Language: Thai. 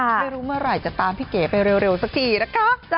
ไม่รู้เมื่อไหร่จะตามพี่เก๋ไปเร็วสักทีนะคะ